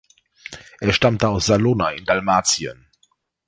Er stammte aus Salona in Dalmatien.